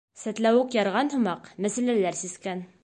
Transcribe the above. Сәтләүек ярған һымаҡ, мәсьәләләр сискән.